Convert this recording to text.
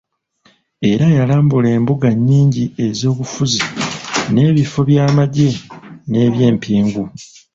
Era yalambula embuga nnyingi ez'obufuzi, n'ebifo by'amagye n'ebyempingu.